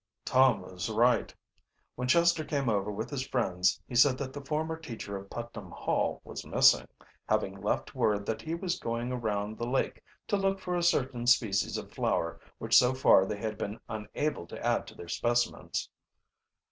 Tom was right. When Chester came over with his friends he said that the former teacher of Putnam Hall was missing, having left word that he was going around the lake to look for a certain species of flower which so far they had been unable to add to their specimens.